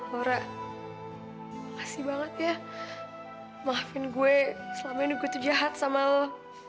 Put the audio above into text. laura makasih banget ya maafin gue selama ini gue tuh jahat sama lo